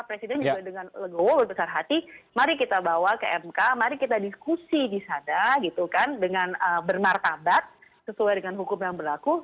presiden juga dengan legowo berbesar hati mari kita bawa ke mk mari kita diskusi di sana gitu kan dengan bermartabat sesuai dengan hukum yang berlaku